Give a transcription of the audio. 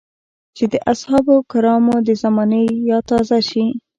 چې د اصحابو کرامو د زمانې ياد تازه شي.